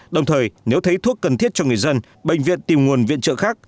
đồng thời nếu thấy thuốc cần thiết cho người dân bệnh viện tìm nguồn viện trợ khác